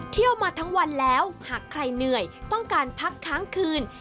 เที่ยวมาทั้งวันแล้วหากใครเหนื่อยต้องการพักค้างคืน